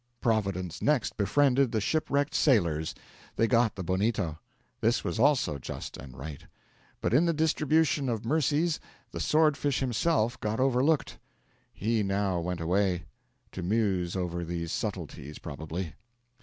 Providence next befriended the shipwrecked sailors: they got the bonito. This was also just and right. But in the distribution of mercies the sword fish himself got overlooked. He now went away; to muse over these subtleties, probably.